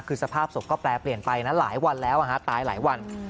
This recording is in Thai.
คือสภาพศพก็แปลเปลี่ยนไปนะหลายวันแล้วตายหลายวัน